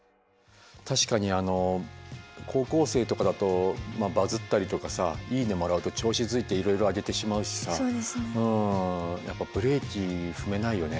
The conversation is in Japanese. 確かに高校生とかだとバズったりとかさ「いいね」もらうと調子づいていろいろ上げてしまうしさやっぱブレーキ踏めないよね